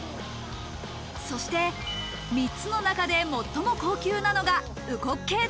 そして３つの中で最も高級なのが烏骨鶏だ